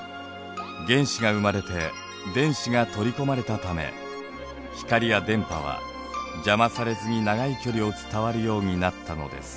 原子が生まれて電子が取り込まれたため光や電波は邪魔されずに長い距離を伝わるようになったのです。